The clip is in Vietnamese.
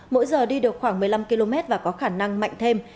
mỗi giờ đi được khoảng một mươi năm km và có khả năng mạnh thêm